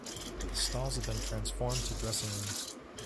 The stalls had been transformed to dressing rooms.